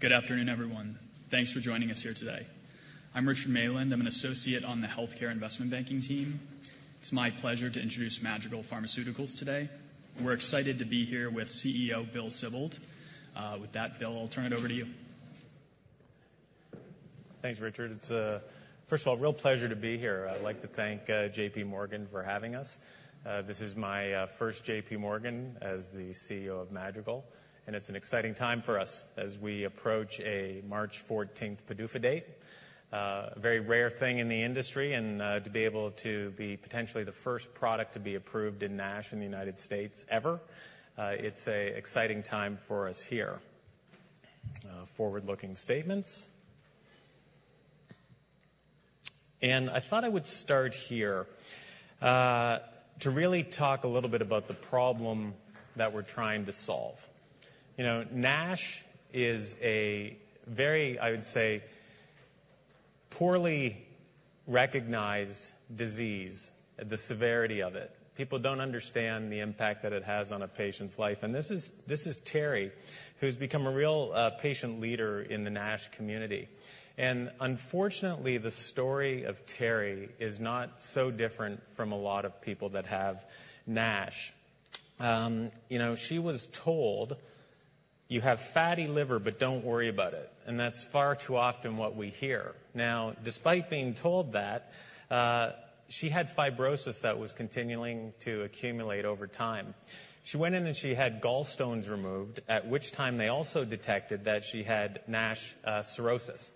Good afternoon, everyone. Thanks for joining us here today. I'm Richard Mayland. I'm an Associate on the Healthcare Investment Banking Team. It's my pleasure to introduce Madrigal Pharmaceuticals today. We're excited to be here with CEO Bill Sibold. With that, Bill, I'll turn it over to you. Thanks, Richard. It's a, first of all, a real pleasure to be here. I'd like to thank JPMorgan for having us. This is my first JPMorgan as the CEO of Madrigal, and it's an exciting time for us as we approach a March 14 PDUFA date. A very rare thing in the industry, and to be able to be potentially the first product to be approved in NASH in the United States ever. It's a exciting time for us here. Forward-looking statements. I thought I would start here, to really talk a little bit about the problem that we're trying to solve. You know, NASH is a very, I would say, poorly recognized disease, the severity of it. People don't understand the impact that it has on a patient's life. And this is, this is Terri, who's become a real patient leader in the NASH community. And unfortunately, the story of Terri is not so different from a lot of people that have NASH. You know, she was told, "You have fatty liver, but don't worry about it," and that's far too often what we hear. Now, despite being told that, she had Fibrosis that was continuing to accumulate over time. She went in and she had gallstones removed, at which time they also detected that she had NASH Cirrhosis.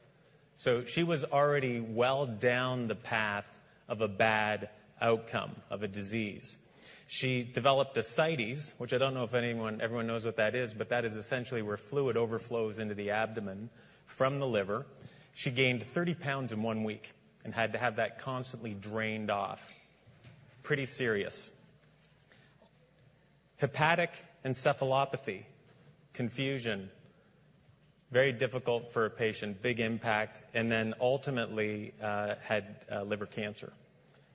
So she was already well down the path of a bad outcome of a disease. She developed ascites, which I don't know if anyone, everyone knows what that is, but that is essentially where fluid overflows into the abdomen from the liver. She gained 30 pounds in one week and had to have that constantly drained off. Pretty serious. Hepatic encephalopathy, confusion, very difficult for a patient, big impact, and then ultimately had liver cancer.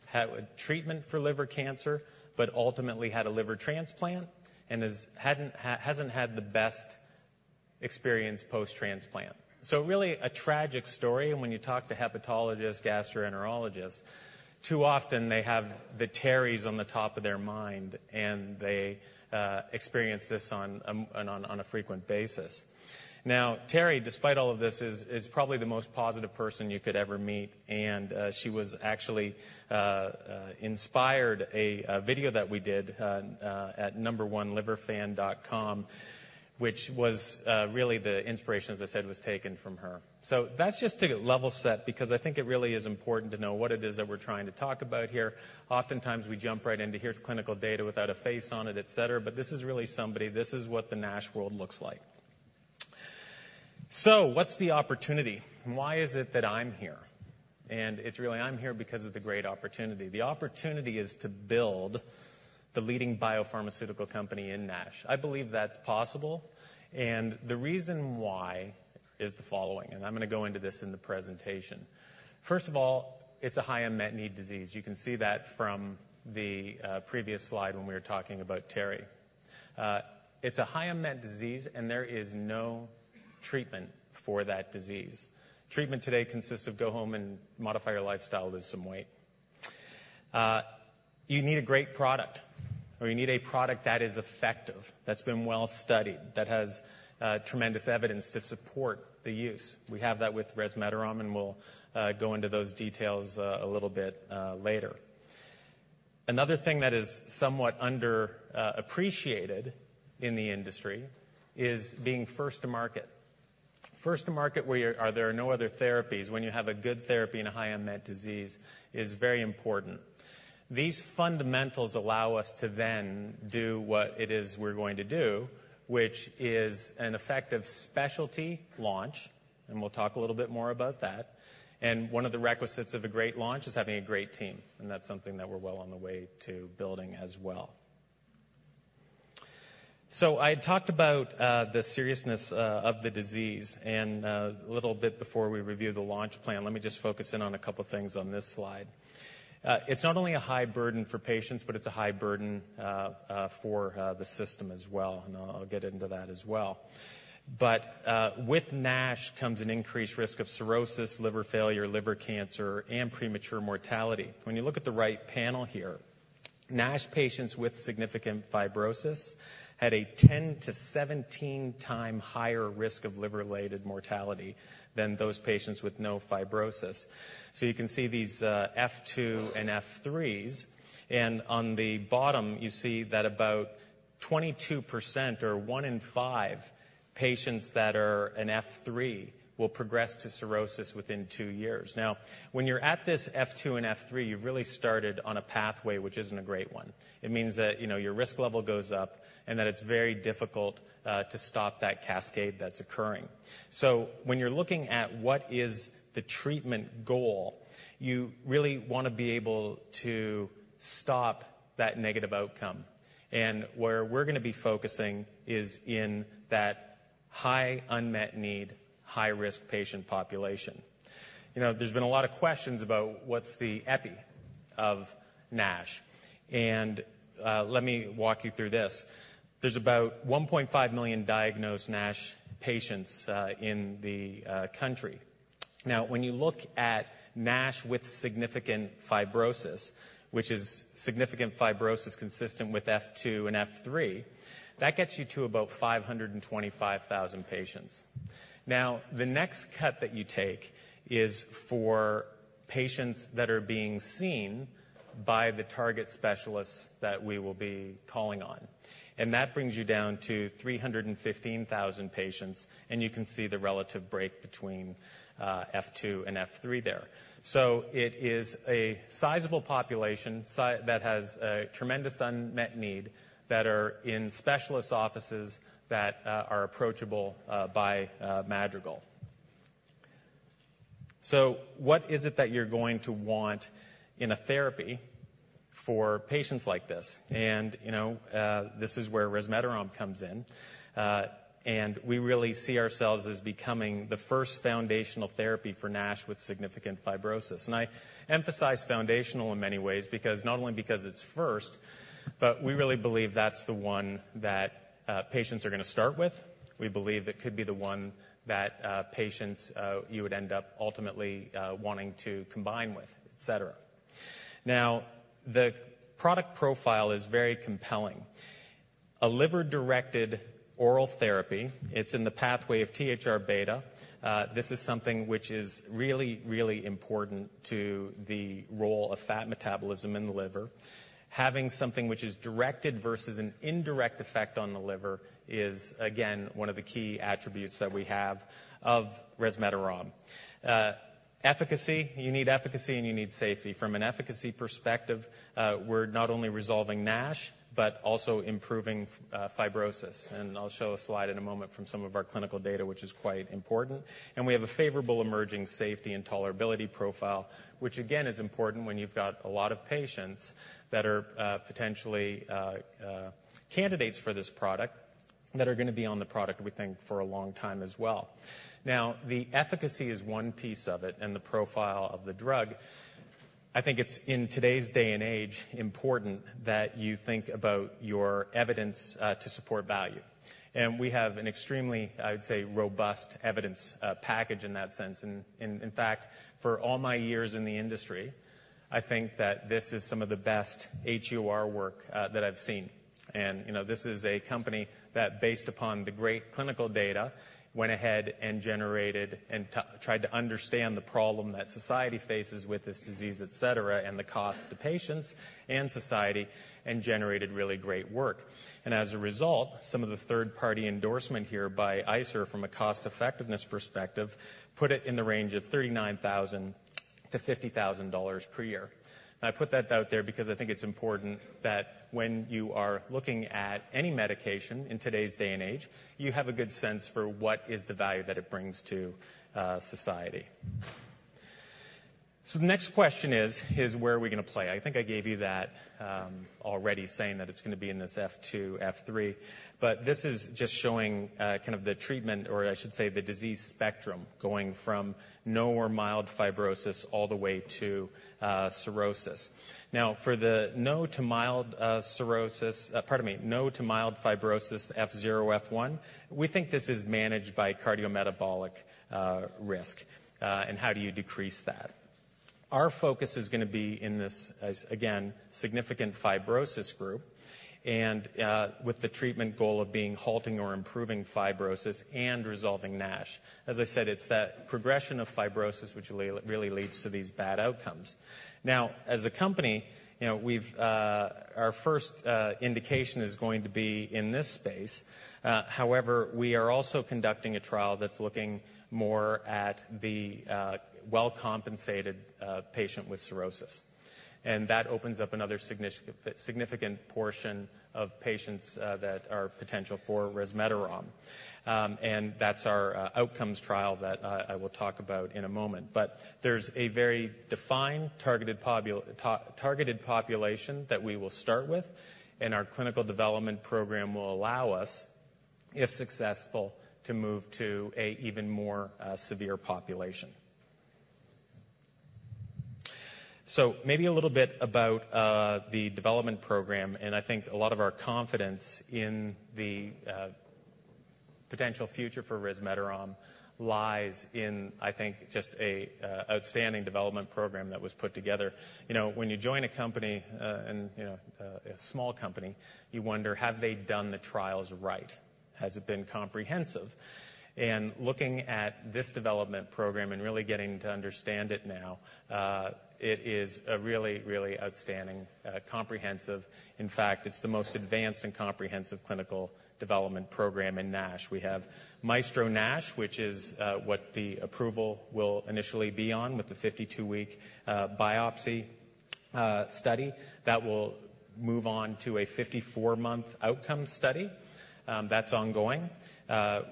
Had a treatment for liver cancer, but ultimately had a liver transplant and is hasn't had the best experience post-transplant. So really, a tragic story. And when you talk to hepatologists, gastroenterologists, too often they have the Terri's on the top of their mind, and they experience this on a frequent basis. Now, Terri, despite all of this, is probably the most positive person you could ever meet, and she was actually inspired a video that we did at numberoneliverfan.com, which was really the inspiration, as I said, was taken from her. So that's just to level set, because I think it really is important to know what it is that we're trying to talk about here. Oftentimes, we jump right into here's clinical data without a face on it, etc., but this is really somebody. This is what the NASH world looks like. So what's the opportunity? And why is it that I'm here? And it's really, I'm here because of the great opportunity. The opportunity is to build the leading biopharmaceutical company in NASH. I believe that's possible, and the reason why is the following, and I'm gonna go into this in the presentation. First of all, it's a high unmet need disease. You can see that from the previous slide when we were talking about Terri. It's a high unmet disease, and there is no treatment for that disease. Treatment today consists of go home and modify your lifestyle, lose some weight. You need a great product, or you need a product that is effective, that's been well-studied, that has tremendous evidence to support the use. We have that with Resmetirom, and we'll go into those details a little bit later. Another thing that is somewhat under appreciated in the industry is being first to market. First to market, there are no other therapies. When you have a good therapy and a high unmet disease, is very important. These fundamentals allow us to then do what it is we're going to do, which is an effective specialty launch, and we'll talk a little bit more about that. One of the requisites of a great launch is having a great team, and that's something that we're well on the way to building as well. I talked about the seriousness of the disease, and a little bit before we review the launch plan, let me just focus in on a couple of things on this slide. It's not only a high burden for patients, but it's a high burden for the system as well, and I'll get into that as well. But with NASH comes an increased risk of Cirrhosis, Liver Failure, Liver Cancer, and Premature Mortality. When you look at the right panel here, NASH patients with significant Fibrosis had a 10x-17x higher risk of liver-related mortality than those patients with no Fibrosis. So you can see these, F2 and F3s, and on the bottom, you see that about 22% or one in five patients that are an F3 will progress to Cirrhosis within two years. Now, when you're at this F2 and F3, you've really started on a pathway, which isn't a great one. It means that, you know, your risk level goes up and that it's very difficult to stop that cascade that's occurring. So when you're looking at what is the treatment goal, you really want to be able to stop that negative outcome. And where we're gonna be focusing is in that high unmet need, high-risk patient population. You know, there's been a lot of questions about what's the epi of NASH, and, let me walk you through this. There's about 1.5 million diagnosed NASH patients in the country. Now, when you look at NASH with significant Fibrosis, which is significant Fibrosis consistent with F2 and F3, that gets you to about 525,000 patients. Now, the next cut that you take is for patients that are being seen by the target specialists that we will be calling on, and that brings you down to 315,000 patients, and you can see the relative break between F2 and F3 there. So it is a sizable population that has a tremendous unmet need, that are in specialist offices that are approachable by Madrigal. So what is it that you're going to want in a therapy for patients like this? And, you know, this is where Resmetirom comes in. We really see ourselves as becoming the first foundational therapy for NASH with significant Fibrosis. I emphasize foundational in many ways because not only because it's first, but we really believe that's the one that, patients are gonna start with. We believe it could be the one that, patients, you would end up ultimately, wanting to combine with, et cetera. Now, the product profile is very compelling. A liver-directed oral therapy, it's in the pathway of THR beta. This is something which is really, really important to the role of fat metabolism in the liver. Having something which is directed versus an indirect effect on the liver is, again, one of the key attributes that we have of Resmetirom. Efficacy, you need efficacy, and you need safety. From an efficacy perspective, we're not only resolving NASH but also improving Fibrosis. And I'll show a slide in a moment from some of our clinical data, which is quite important. And we have a favorable emerging safety and tolerability profile, which again, is important when you've got a lot of patients that are potentially candidates for this product, that are gonna be on the product, we think, for a long time as well. Now, the efficacy is one piece of it and the profile of the drug. I think it's in today's day and age, important that you think about your evidence to support value. And we have an extremely, I would say, robust evidence package in that sense. In fact, for all my years in the industry, I think that this is some of the best HEOR work that I've seen. You know, this is a company that, based upon the great Clinical Data, went ahead and generated and tried to understand the problem that society faces with this disease, et cetera, and the cost to patients and society, and generated really great work. As a result, some of the third-party endorsement here by ICER from a cost-effectiveness perspective put it in the range of $39,000-$50,000 per year. I put that out there because I think it's important that when you are looking at any medication in today's day and age, you have a good sense for what is the value that it brings to society. So the next question is, is where are we gonna play? I think I gave you that already saying that it's gonna be in this F2, F3, but this is just showing kind of the treatment, or I should say, the disease spectrum, going from no or mild Fibrosis all the way to Cirrhosis. Now, for the no to mild Cirrhosis, pardon me, no to mild Fibrosis, F0, F1, we think this is managed by Cardiometabolic Risk. And how do you decrease that? Our focus is gonna be in this, as again, significant Fibrosis group, and with the treatment goal of being halting or improving Fibrosis and resolving NASH. As I said, it's that progression of Fibrosis which really, really leads to these bad outcomes. Now, as a company, you know, we've... Our first indication is going to be in this space. However, we are also conducting a trial that's looking more at the well-compensated patient with Cirrhosis. And that opens up another significant portion of patients that are potential for Resmetirom. And that's our outcomes trial that I will talk about in a moment. But there's a very defined targeted population that we will start with, and our clinical development program will allow us, if successful, to move to an even more severe population. So maybe a little bit about the development program, and I think a lot of our confidence in the potential future for Resmetirom lies in, I think, just an outstanding development program that was put together. You know, when you join a company, and you know, a small company, you wonder, have they done the trials right? Has it been comprehensive? And looking at this development program and really getting to understand it now, it is a really, really outstanding, comprehensive. In fact, it's the most advanced and comprehensive clinical development program in NASH. We have MAESTRO-NASH, which is, what the approval will initially be on with the 52-week, biopsy, study. That will move on to a 54-month outcome study. That's ongoing.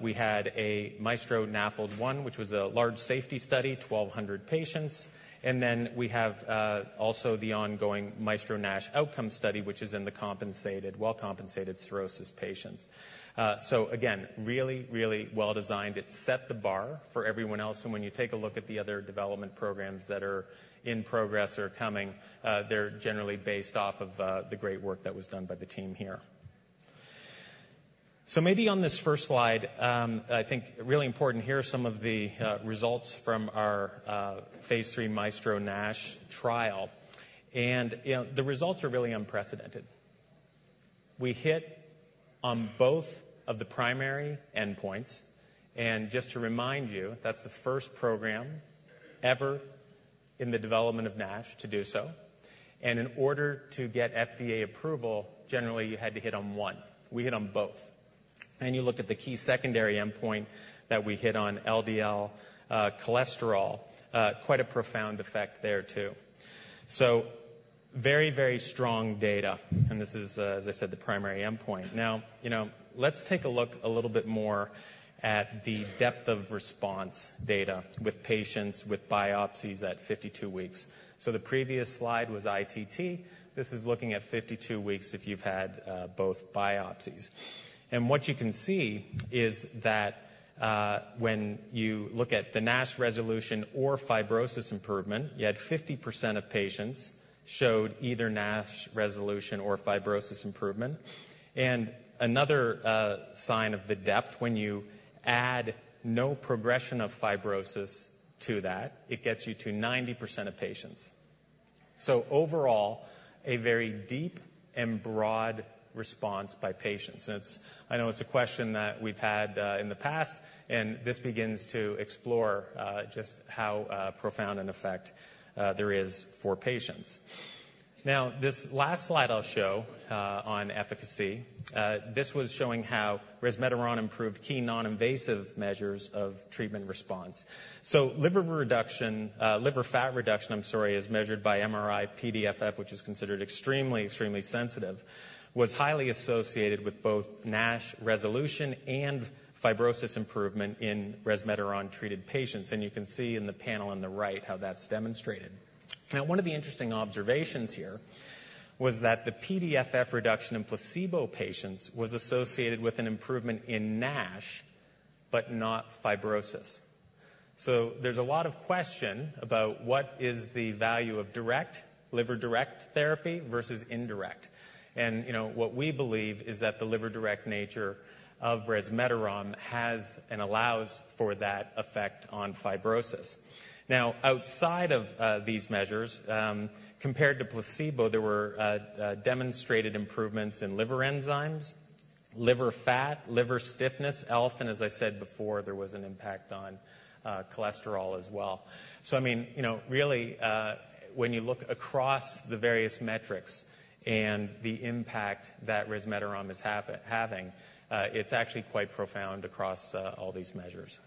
We had a MAESTRO-NAFLD-1, which was a large safety study, 1,200 patients. And then we have, also the ongoing MAESTRO-NASH OUTCOMES study, which is in the compensated, well-compensated Cirrhosis patients. So again, really, really well-designed. It set the bar for everyone else, and when you take a look at the other development programs that are in progress or coming, they're generally based off of the great work that was done by the team here. So maybe on this first slide, I think really important, here are some of the results from our Phase III MAESTRO-NASH trial. You know, the results are really unprecedented. We hit on both of the primary endpoints, and just to remind you, that's the first program ever in the development of NASH to do so. In order to get FDA approval, generally, you had to hit on one. We hit on both. You look at the key secondary endpoint that we hit on LDL cholesterol, quite a profound effect there, too. So very, very strong data, and this is, as I said, the primary endpoint. Now, you know, let's take a look a little bit more at the depth of response data with patients with biopsies at 52 weeks. So the previous slide was ITT. This is looking at 52 weeks if you've had both biopsies. And what you can see is that, when you look at the NASH resolution or Fibrosis improvement, you had 50% of patients showed either NASH resolution or Fibrosis improvement. And another sign of the depth, when you add no progression of Fibrosis to that, it gets you to 90% of patients. So overall, a very deep and broad response by patients. And it's... I know it's a question that we've had, in the past, and this begins to explore, just how, profound an effect, there is for patients. Now, this last slide I'll show, on efficacy, this was showing how Resmetirom improved key non-invasive measures of treatment response. So Liver Reduction, Liver Fat Reduction, I'm sorry, is measured by MRI-PDFF, which is considered extremely, extremely sensitive, was highly associated with both NASH resolution and Fibrosis improvement in Resmetirom-treated patients, and you can see in the panel on the right how that's demonstrated. Now, one of the interesting observations here was that the PDFF reduction in placebo patients was associated with an improvement in NASH, but not Fibrosis. So there's a lot of question about what is the value of direct, liver direct therapy versus indirect. You know, what we believe is that the liver-directed nature of Resmetirom has and allows for that effect on Fibrosis. Now, outside of these measures, compared to placebo, there were demonstrated improvements in liver enzymes, liver fat, liver stiffness, ELF, and as I said before, there was an impact on cholesterol as well. So, I mean, you know, really, when you look across the various metrics and the impact that Resmetirom is having, it's actually quite profound across all these measures.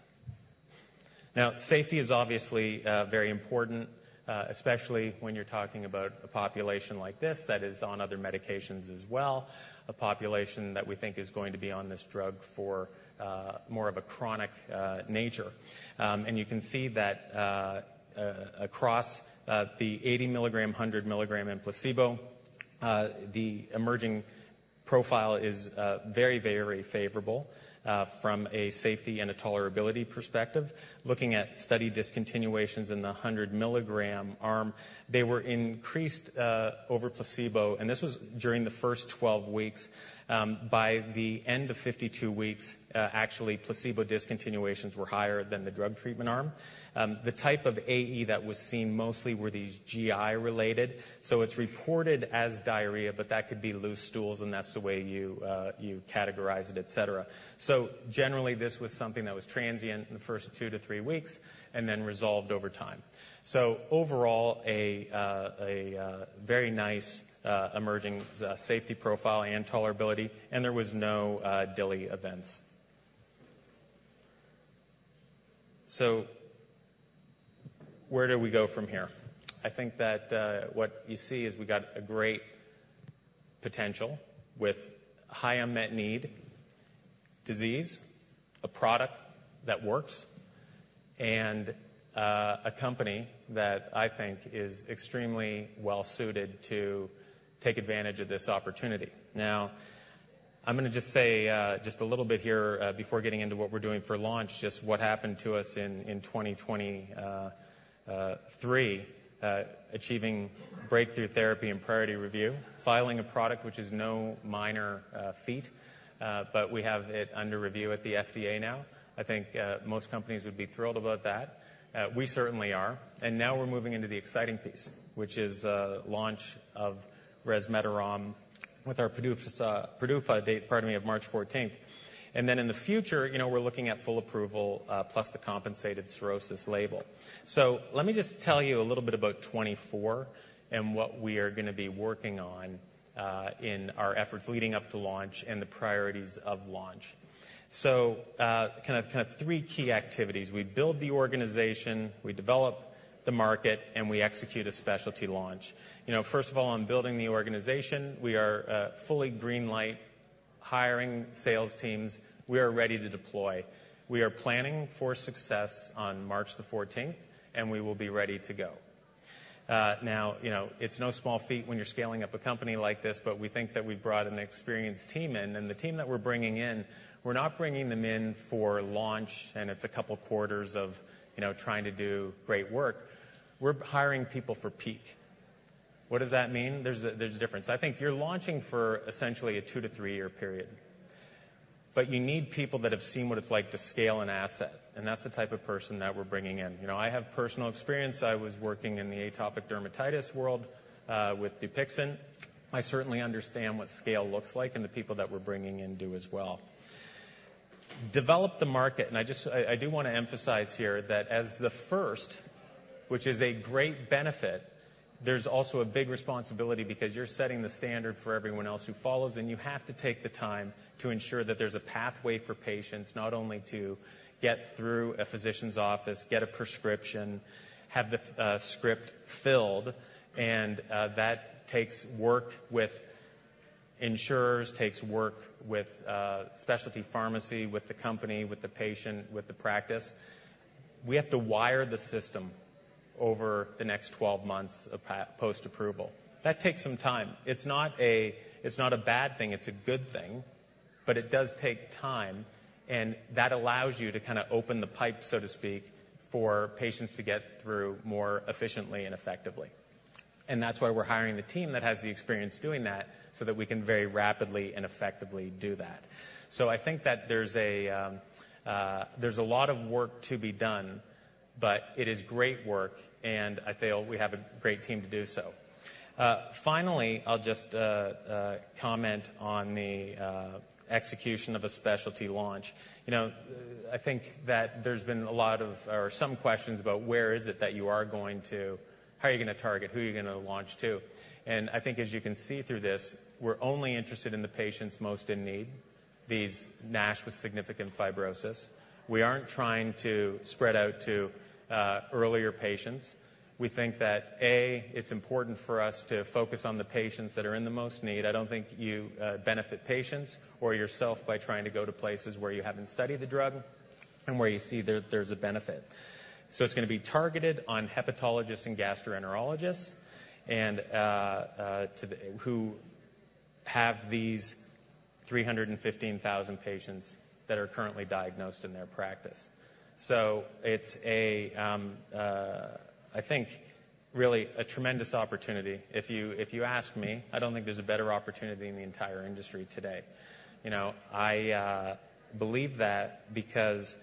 Now, safety is obviously very important, especially when you're talking about a population like this that is on other medications as well, a population that we think is going to be on this drug for more of a chronic nature. You can see that, across the 80 milligram, 100 milligram, and placebo, the emerging profile is very, very favorable from a safety and a tolerability perspective. Looking at study discontinuations in the 100 milligram arm, they were increased over placebo, and this was during the first 12 weeks. By the end of 52 weeks, actually, placebo discontinuations were higher than the drug treatment arm. The type of AE that was seen mostly were these GI related, so it's reported as diarrhea, but that could be loose stools, and that's the way you categorize it, et cetera. So generally, this was something that was transient in the first two to three weeks and then resolved over time. So overall, a very nice emerging safety profile and tolerability, and there was no DILI events. So where do we go from here? I think that what you see is we got a great potential with high unmet need disease, a product that works, and a company that I think is extremely well suited to take advantage of this opportunity. Now, I'm gonna just say just a little bit here before getting into what we're doing for launch, just what happened to us in 2023, achieving Breakthrough Therapy and Priority Review, filing a product, which is no minor feat. But we have it under review at the FDA now. I think most companies would be thrilled about that. We certainly are. And now we're moving into the exciting piece, which is, launch of Resmetirom with our PDUFA, PDUFA date, pardon me, of March 14. And then in the future, you know, we're looking at full approval, plus the compensated Cirrhosis label. So let me just tell you a little bit about 2024 and what we are gonna be working on, in our efforts leading up to launch and the priorities of launch. So, kind of, kind of three key activities: we build the organization, we develop the market, and we execute a specialty launch. You know, first of all, on building the organization, we are, fully green light, hiring sales teams. We are ready to deploy. We are planning for success on March 14, and we will be ready to go. Now, you know, it's no small feat when you're scaling up a company like this, but we think that we've brought an experienced team in, and the team that we're bringing in, we're not bringing them in for launch, and it's a couple quarters of, you know, trying to do great work. We're hiring people for peak. What does that mean? There's a difference. I think you're launching for essentially a two to three year period. But you need people that have seen what it's like to scale an asset, and that's the type of person that we're bringing in. You know, I have personal experience. I was working in the atopic dermatitis world with Dupixent. I certainly understand what scale looks like, and the people that we're bringing in do as well. Develop the market, and I do wanna emphasize here that as the first, which is a great benefit, there's also a big responsibility because you're setting the standard for everyone else who follows, and you have to take the time to ensure that there's a pathway for patients not only to get through a physician's office, get a prescription, have the script filled. And that takes work with insurers, takes work with specialty pharmacy, with the company, with the patient, with the practice. We have to wire the system over the next 12 months of post-approval. That takes some time. It's not a bad thing, it's a good thing, but it does take time, and that allows you to kinda open the pipe, so to speak, for patients to get through more efficiently and effectively. That's why we're hiring the team that has the experience doing that, so that we can very rapidly and effectively do that. I think that there's a lot of work to be done, but it is great work, and I feel we have a great team to do so. Finally, I'll just comment on the execution of a specialty launch. You know, I think that there's been a lot of... or some questions about where is it that you are going to? How are you gonna target? Who are you gonna launch to? And I think, as you can see through this, we're only interested in the patients most in need, these NASH with significant Fibrosis. We aren't trying to spread out to earlier patients. We think that, A, it's important for us to focus on the patients that are in the most need. I don't think you benefit patients or yourself by trying to go to places where you haven't studied the drug and where you see there, there's a benefit. So it's gonna be targeted on hepatologists and gastroenterologists, and to the who have these 315,000 patients that are currently diagnosed in their practice. So it's a I think really a tremendous opportunity. If you, if you ask me, I don't think there's a better opportunity in the entire industry today. You know, I believe that because,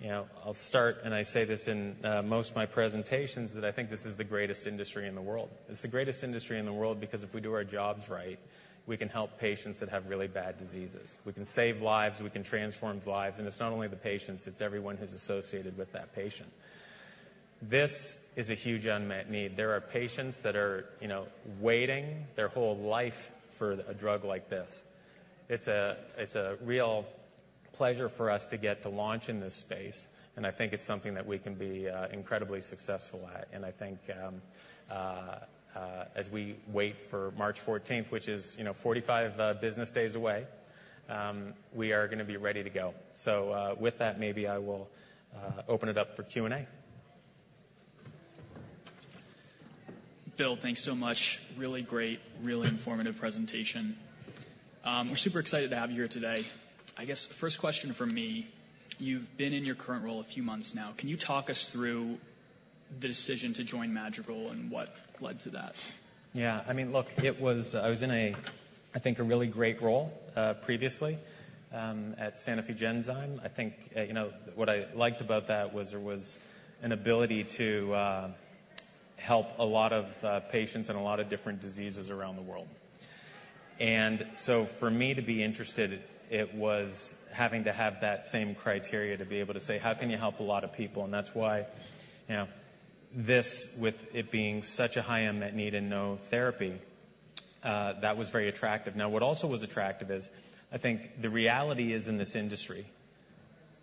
you know, I'll start, and I say this in most of my presentations, that I think this is the greatest industry in the world. It's the greatest industry in the world because if we do our jobs right, we can help patients that have really bad diseases. We can save lives, we can transform lives, and it's not only the patients, it's everyone who's associated with that patient. This is a huge unmet need. There are patients that are, you know, waiting their whole life for a drug like this. It's a, it's a real pleasure for us to get to launch in this space, and I think it's something that we can be incredibly successful at. And I think, as we wait for March 14, which is, you know, 45 business days away, we are gonna be ready to go. So, with that, maybe I will open it up for Q&A. Bill, thanks so much. Really great, really informative presentation. We're super excited to have you here today. I guess the first question from me, you've been in your current role a few months now. Can you talk us through the decision to join Madrigal and what led to that? Yeah. I mean, look, it was. I was in a, I think, a really great role, previously, at Sanofi Genzyme. I think, you know, what I liked about that was there was an ability to help a lot of patients and a lot of different diseases around the world. And so for me to be interested, it was having to have that same criteria to be able to say: How can you help a lot of people? And that's why, you know, this, with it being such a high unmet need and no therapy, that was very attractive. Now, what also was attractive is, I think the reality is, in this industry,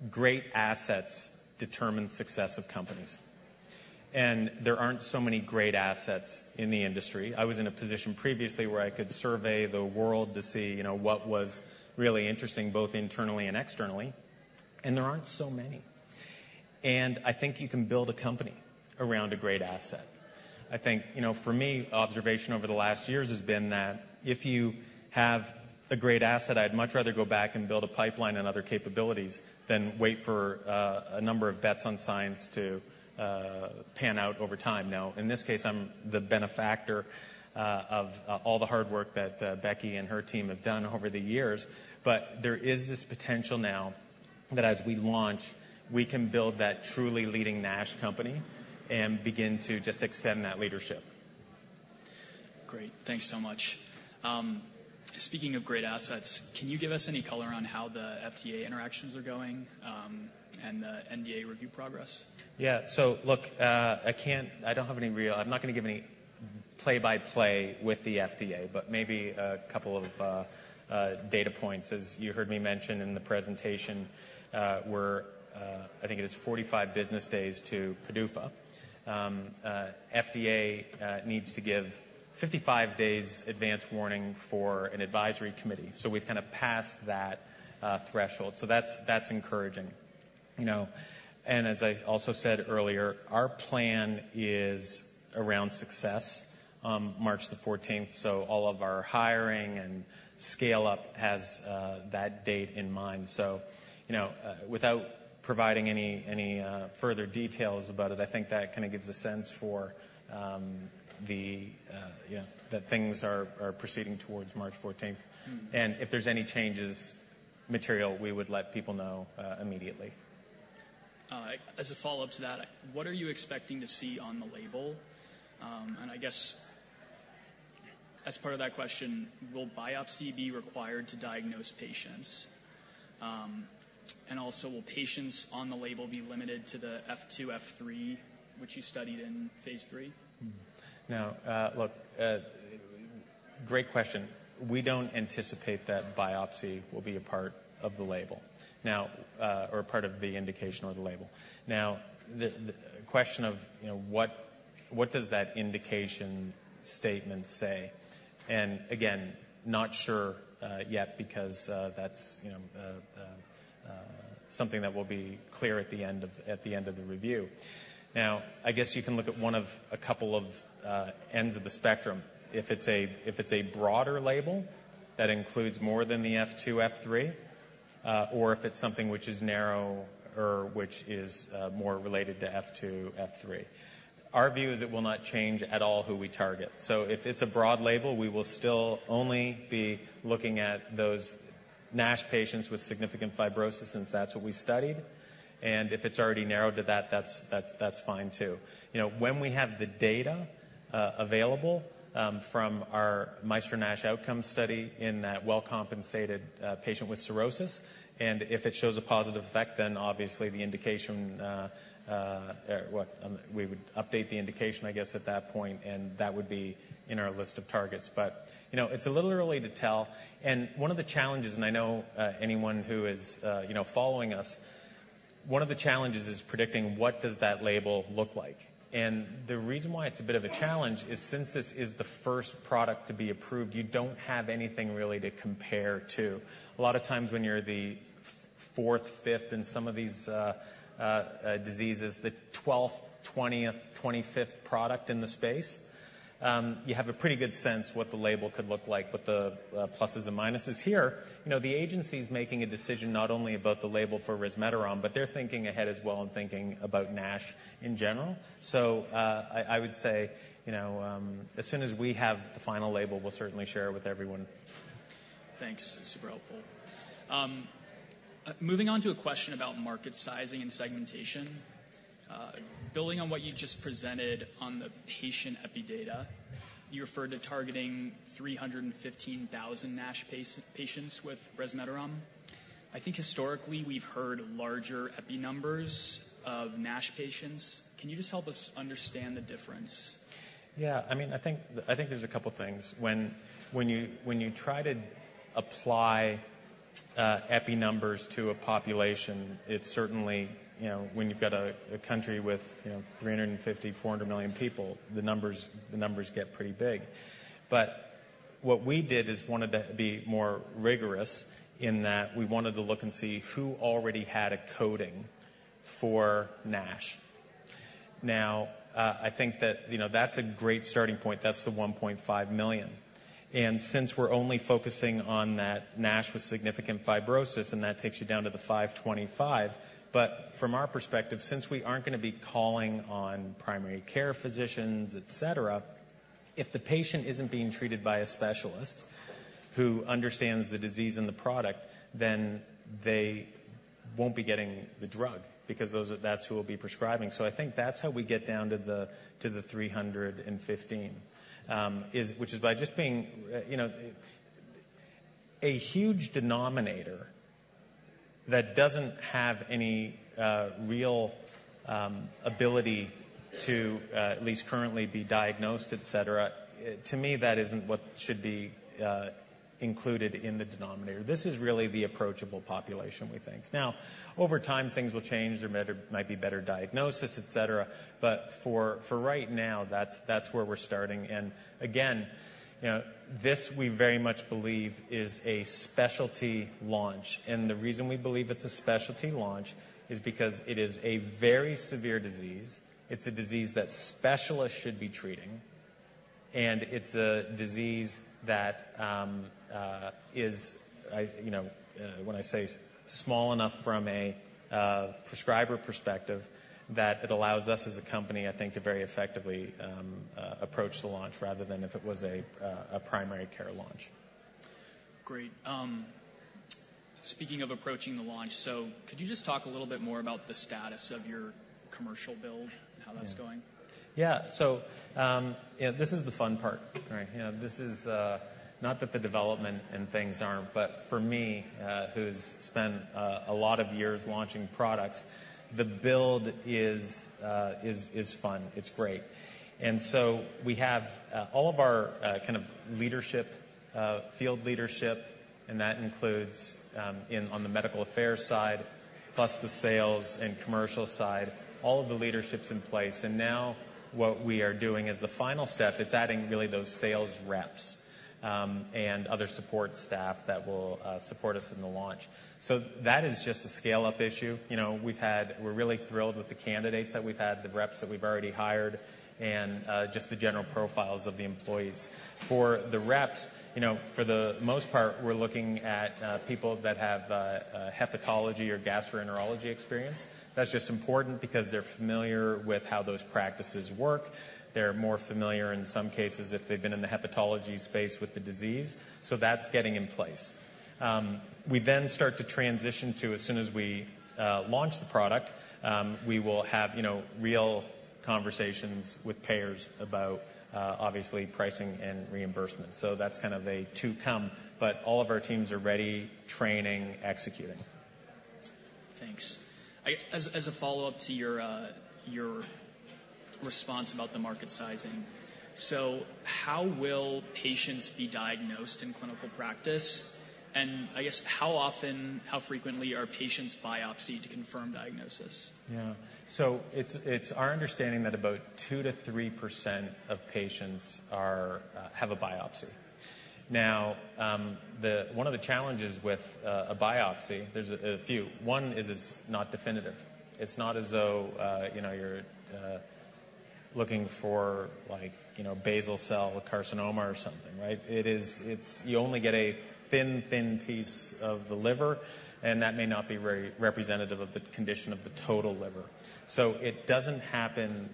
great assets determine success of companies, and there aren't so many great assets in the industry. I was in a position previously where I could survey the world to see, you know, what was really interesting, both internally and externally, and there aren't so many. I think you can build a company around a great asset. I think, you know, for me, observation over the last years has been that if you have a great asset, I'd much rather go back and build a pipeline and other capabilities than wait for, a number of bets on science to, pan out over time. Now, in this case, I'm the benefactor, of, all the hard work that, Becky and her team have done over the years. But there is this potential now that as we launch, we can build that truly leading NASH Company and begin to just extend that leadership. Great. Thanks so much. Speaking of great assets, can you give us any color on how the FDA interactions are going, and the NDA review progress? Yeah. So look, I'm not gonna give any play-by-play with the FDA, but maybe a couple of data points. As you heard me mention in the presentation, we're, I think it is 45 business days to PDUFA. FDA needs to give 55 days advance warning for an advisory committee. So we've kind of passed that threshold. So that's encouraging. You know, and as I also said earlier, our plan is around success on March 14. So all of our hiring and scale-up has that date in mind. So, you know, without providing any further details about it, I think that kind of gives a sense for, you know, that things are proceeding towards March 14. If there's any changes material, we would let people know immediately. As a follow-up to that, what are you expecting to see on the label? I guess, as part of that question, will biopsy be required to diagnose patients? Also, will patients on the label be limited to the F2, F3, which you studied in phase lll? Now, look, great question. We don't anticipate that biopsy will be a part of the label. Now, or a part of the indication or the label. Now, the question of, you know, what does that indication statement say? And again, not sure yet, because that's, you know, something that will be clear at the end of the review. Now, I guess you can look at one of a couple of ends of the spectrum. If it's a broader label that includes more than the F2, F3, or if it's something which is narrower, which is more related to F2, F3. Our view is it will not change at all who we target. So if it's a broad label, we will still only be looking at those NASH patients with significant Fibrosis since that's what we studied, and if it's already narrowed to that, that's fine, too. You know, when we have the data available from our MAESTRO-NASH outcome study in that well-compensated patient with Cirrhosis, and if it shows a positive effect, then obviously the indication... Well, we would update the indication, I guess, at that point, and that would be in our list of targets. But, you know, it's a little early to tell. And one of the challenges, and I know anyone who is, you know, following us, one of the challenges is predicting what does that label look like? And the reason why it's a bit of a challenge is, since this is the first product to be approved, you don't have anything really to compare to. A lot of times when you're the 4th, 5th in some of these diseases, the 12th, 20th, 25th product in the space, you have a pretty good sense what the label could look like, what the pluses and minuses. Here, you know, the agency's making a decision not only about the label for Resmetirom, but they're thinking ahead as well and thinking about NASH in general. So, I would say, you know, as soon as we have the final label, we'll certainly share it with everyone. Thanks. Super helpful. Moving on to a question about market sizing and segmentation. Building on what you just presented on the patient epi data, you referred to targeting 315,000 NASH patients with Resmetirom. I think historically, we've heard larger epi numbers of NASH patients. Can you just help us understand the difference? Yeah, I mean, I think, I think there's a couple things. When you try to apply epi numbers to a population, it certainly. You know, when you've got a country with 350-400 million people, the numbers, the numbers get pretty big. But what we did is wanted to be more rigorous in that we wanted to look and see who already had a coding for NASH. Now, I think that, you know, that's a great starting point. That's the 1.5 million, and since we're only focusing on that NASH with significant Fibrosis, and that takes you down to the 525. But from our perspective, since we aren't gonna be calling on primary care physicians, et cetera, if the patient isn't being treated by a specialist who understands the disease and the product, then they won't be getting the drug because those are, that's who will be prescribing. So I think that's how we get down to the 315, which is by just being, you know. A huge denominator that doesn't have any real ability to, at least currently be diagnosed, etc. to me, that isn't what should be included in the denominator. This is really the approachable population, we think. Now, over time, things will change. There might be better diagnosis, et cetera. But for right now, that's where we're starting. And again, you know, this, we very much believe is a specialty launch. The reason we believe it's a specialty launch is because it is a very severe disease. It's a disease that specialists should be treating, and it's a disease that, you know, when I say small enough from a prescriber perspective, that it allows us as a company, I think, to very effectively approach the launch rather than if it was a primary care launch. Great. Speaking of approaching the launch, so could you just talk a little bit more about the status of your commercial build and how that's going? Yeah. So, you know, this is the fun part, right? You know, this is, not that the development and things aren't, but for me, who's spent, a lot of years launching products, the build is fun. It's great. And so we have, all of our, kind of leadership, field leadership, and that includes, in on the medical affairs side... plus the sales and commercial side, all of the leadership's in place, and now what we are doing as the final step, it's adding really those sales reps, and other support staff that will support us in the launch. So that is just a scale-up issue. You know, we've had. We're really thrilled with the candidates that we've had, the reps that we've already hired, and, just the general profiles of the employees. For the reps, you know, for the most part, we're looking at people that have a hepatology or gastroenterology experience. That's just important because they're familiar with how those practices work. They're more familiar, in some cases, if they've been in the Hepatology space with the disease. So that's getting in place. We then start to transition to as soon as we launch the product, we will have, you know, real conversations with payers about obviously, pricing and reimbursement. So that's kind of a to-come, but all of our teams are ready, training, executing. Thanks. As a follow-up to your response about the market sizing, so how will patients be diagnosed in clinical practice? And I guess, how often, how frequently are patients biopsied to confirm diagnosis? Yeah. So it's, it's our understanding that about 2%-3% of patients are, have a biopsy. Now, one of the challenges with a biopsy, there's a few. One is it's not definitive. It's not as though, you know, you're, looking for like, you know, basal cell carcinoma or something, right? It is. It's... You only get a thin, thin piece of the liver, and that may not be very representative of the condition of the total liver. So it doesn't happen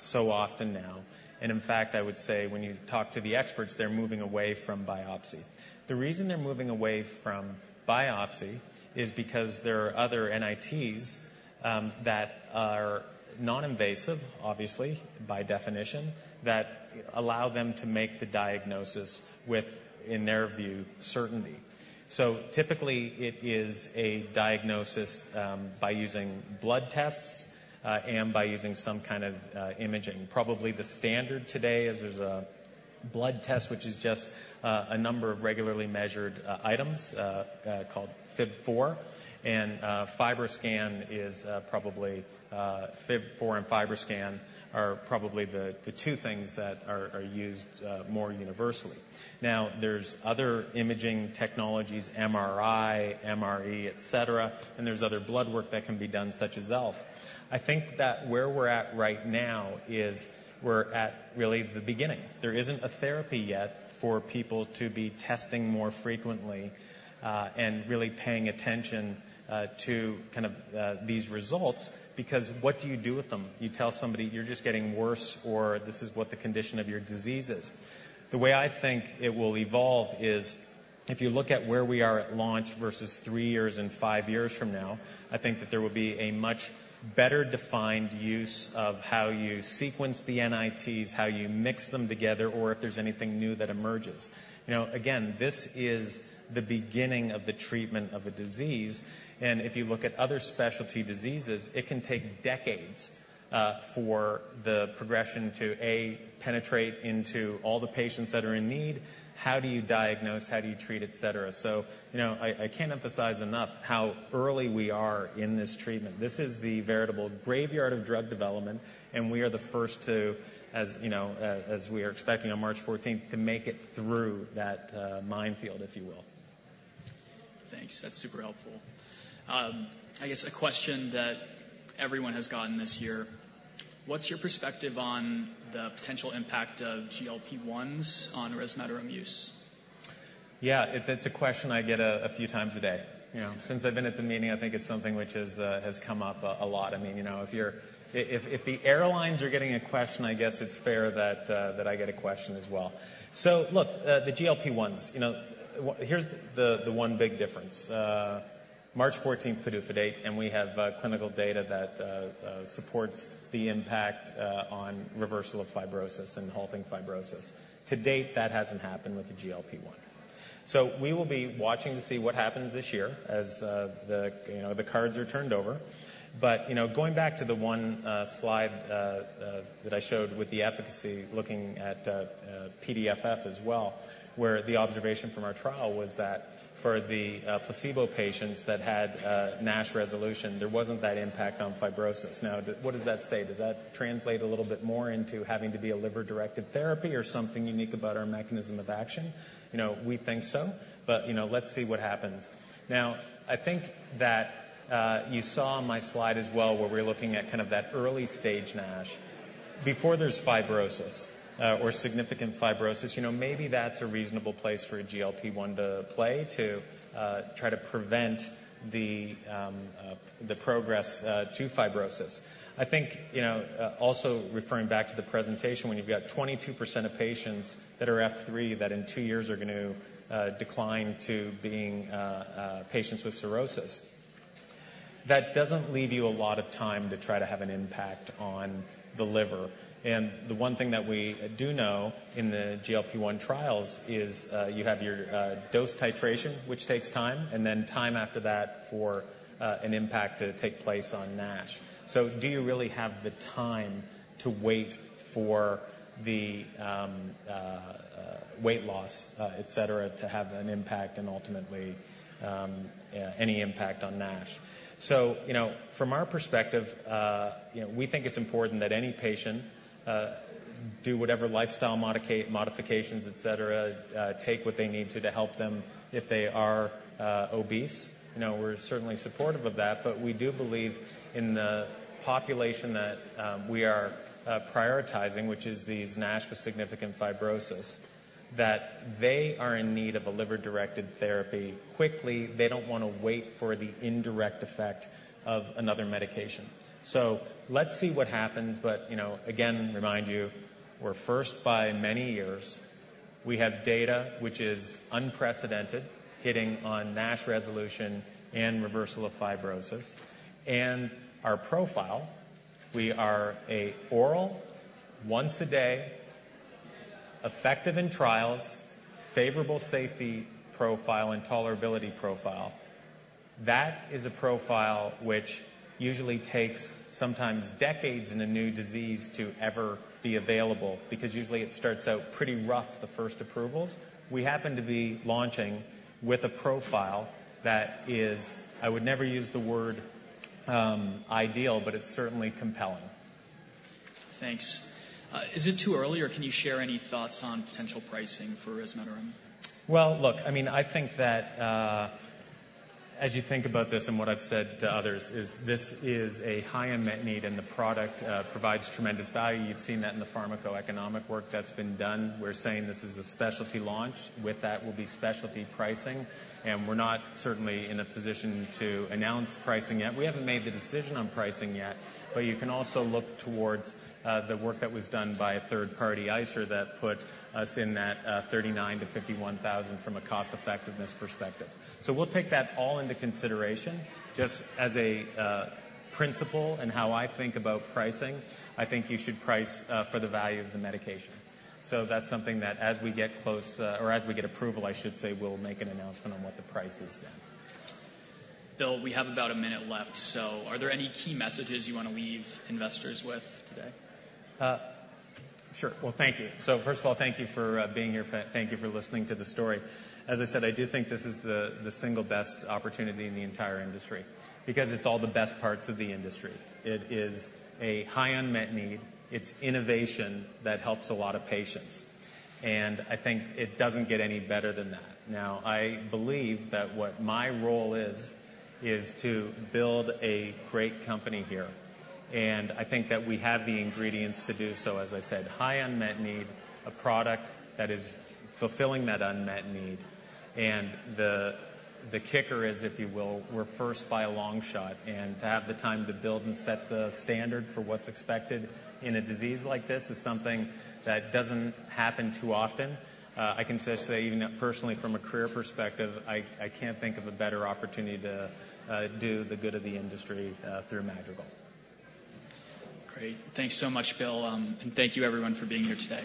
so often now, and in fact, I would say when you talk to the experts, they're moving away from biopsy. The reason they're moving away from biopsy is because there are other NITs, that are non-invasive, obviously, by definition, that allow them to make the diagnosis with, in their view, certainty. So typically, it is a diagnosis by using blood tests and by using some kind of imaging. Probably the standard today is there's a blood test, which is just a number of regularly measured items called FIB-4, and FibroScan is probably FIB-4 and FibroScan are probably the two things that are used more universally. Now, there's other imaging technologies, MRI, MRE, et cetera, and there's other blood work that can be done, such as ELF. I think that where we're at right now is we're at really the beginning. There isn't a therapy yet for people to be testing more frequently and really paying attention to kind of these results, because what do you do with them? You tell somebody, "You're just getting worse," or, "This is what the condition of your disease is." The way I think it will evolve is if you look at where we are at launch versus 3 years and 5 years from now, I think that there will be a much better defined use of how you sequence the NITs, how you mix them together, or if there's anything new that emerges. You know, again, this is the beginning of the treatment of a disease, and if you look at other specialty diseases, it can take decades for the progression to, A, penetrate into all the patients that are in need. How do you diagnose? How do you treat, et cetera? So, you know, I, I can't emphasize enough how early we are in this treatment. This is the veritable graveyard of drug development, and we are the first to, as you know, we are expecting on March fourteenth, to make it through that minefield, if you will. Thanks. That's super helpful. I guess a question that everyone has gotten this year: What's your perspective on the potential impact of GLP-1s on Resmetirom use? Yeah, that's a question I get a few times a day. You know, since I've been at the meeting, I think it's something which is has come up a lot. I mean, you know, if you're... If the airlines are getting a question, I guess it's fair that I get a question as well. So look, the GLP-1s, you know, here's the one big difference. March 14, PDUFA date, and we have clinical data that supports the impact on reversal of Fibrosis and halting Fibrosis. To date, that hasn't happened with the GLP-1. So we will be watching to see what happens this year as the cards are turned over. But, you know, going back to the one slide that I showed with the efficacy, looking at PDFF as well, where the observation from our trial was that for the placebo patients that had NASH resolution, there wasn't that impact on Fibrosis. Now, what does that say? Does that translate a little bit more into having to be a liver-directed therapy or something unique about our mechanism of action? You know, we think so, but, you know, let's see what happens. Now, I think that you saw on my slide as well, where we're looking at kind of that early-stage NASH. Before there's Fibrosis or significant Fibrosis, you know, maybe that's a reasonable place for a GLP-1 to play to try to prevent the progress to Fibrosis. I think, you know, also referring back to the presentation, when you've got 22% of patients that are F3, that in two years are going to decline to being patients with Cirrhosis, that doesn't leave you a lot of time to try to have an impact on the Liver. And the one thing that we do know in the GLP-1 trials is you have your dose titration, which takes time, and then time after that for an impact to take place on NASH. So do you really have the time to wait for the weight loss, et cetera, to have an impact and ultimately any impact on NASH? So, you know, from our perspective, you know, we think it's important that any patient-... Do whatever lifestyle modifications, et cetera, take what they need to, to help them if they are obese. You know, we're certainly supportive of that, but we do believe in the population that we are prioritizing, which is these NASH with significant Fibrosis, that they are in need of a liver-directed therapy quickly. They don't wanna wait for the indirect effect of another medication. So let's see what happens, but, you know, again, remind you, we're first by many years. We have data which is unprecedented, hitting on NASH resolution and reversal of Fibrosis. And our profile, we are a oral, once-a-day, effective in trials, favorable safety profile and tolerability profile. That is a profile which usually takes sometimes decades in a new disease to ever be available, because usually it starts out pretty rough, the first approvals. We happen to be launching with a profile that is... I would never use the word, ideal, but it's certainly compelling. Thanks. Is it too early, or can you share any thoughts on potential pricing for Resmetirom? Well, look, I mean, I think that, as you think about this and what I've said to others, is this is a high unmet need, and the product provides tremendous value. You've seen that in the pharmacoeconomic work that's been done. We're saying this is a specialty launch. With that will be specialty pricing, and we're not certainly in a position to announce pricing yet. We haven't made the decision on pricing yet, but you can also look towards, the work that was done by a third party, ICER, that put us in that, $39,000-$51,000 from a cost effectiveness perspective. So we'll take that all into consideration. Just as a, principle and how I think about pricing, I think you should price, for the value of the medication. That's something that as we get close, or as we get approval, I should say, we'll make an announcement on what the price is then. Bill, we have about a minute left, so are there any key messages you want to leave investors with today? Sure. Well, thank you. So first of all, thank you for being here. Thank you for listening to the story. As I said, I do think this is the single best opportunity in the entire industry because it's all the best parts of the industry. It is a high unmet need. It's innovation that helps a lot of patients, and I think it doesn't get any better than that. Now, I believe that what my role is is to build a great company here, and I think that we have the ingredients to do so. As I said, high unmet need, a product that is fulfilling that unmet need, and the kicker is, if you will, we're first by a long shot. To have the time to build and set the standard for what's expected in a disease like this is something that doesn't happen too often. I can just say, even personally, from a career perspective, I can't think of a better opportunity to do the good of the industry through Madrigal. Great. Thanks so much, Bill. And thank you, everyone, for being here today.